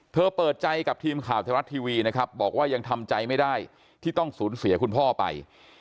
เปิดใจกับทีมข่าวไทยรัฐทีวีนะครับบอกว่ายังทำใจไม่ได้ที่ต้องสูญเสียคุณพ่อไป